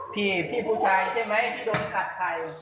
พี่พี่ผู้ชายใช่ไหมที่โดนขัดใคร